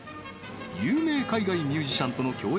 有名海外ミュージシャンとの共演